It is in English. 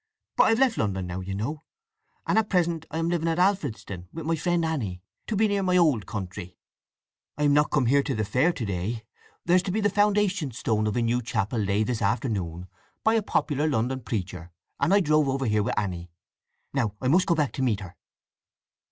But I've left London now, you know, and at present I am living at Alfredston, with my friend Anny, to be near my own old country. I'm not come here to the fair to day. There's to be the foundation stone of a new chapel laid this afternoon by a popular London preacher, and I drove over with Anny. Now I must go back to meet her."